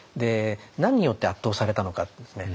何によって圧倒されたのかですね